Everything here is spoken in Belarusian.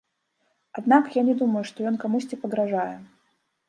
Аднак, я не думаю, што ён камусьці пагражае.